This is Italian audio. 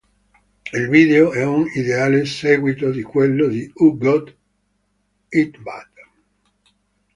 Il video è un ideale seguito di quello di "U Got It Bad".